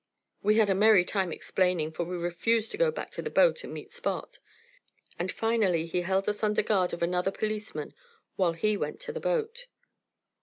We had a merry time explaining, for we refused to go back to the boat and meet Spot; and finally he held us under guard of another policeman while he went to the boat.